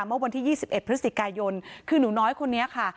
เมื่อวันที่๒๑พฤศจิกายนคือหนูน้อยคนนี้ค่ะ